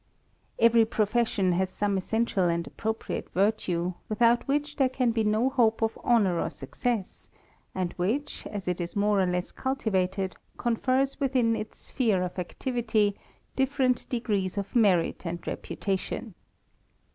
Every profession has some essential and appropriate yirtue, without which there can be no hope of honour or success, and which, as it is more or less cultivated, confers within its sphere of activity different degrees of merit and reputation.